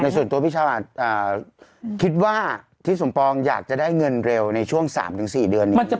คุณพี่ติ๋มคิดว่าที่สมปองอยากจะได้เงินเร็วในช่วง๓๔เดือน